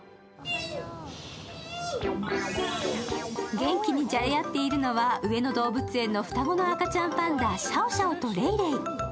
元気にじゃれ合っているのは上野動物園の双子の赤ちゃんパンダ、シャオシャオとレイレイ。